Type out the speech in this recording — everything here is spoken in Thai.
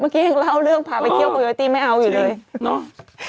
เมื่อกี้ยังเล่าเรื่องพาไปเที่ยวกับโยติไม่เอาอยู่เลยเนาะใช่